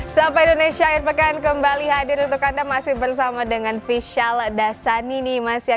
sampai indonesia akhir pekan kembali hadir untuk anda masih bersama dengan fishal dasani nih masya